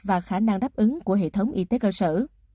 và khả năng đáp ứng của hệ thống y tế cơ sở